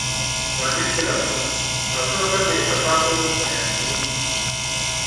پرانیستي لاسونه : لاسونه تل د احساساتو بیانونکي وي.